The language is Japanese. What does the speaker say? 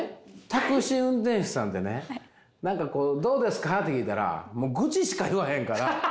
タクシー運転手さんってね何かこうどうですか？って聞いたらもう愚痴しか言わへんから。